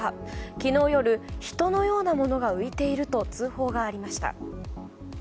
昨日夜人のようなものが浮いていると通報がありました。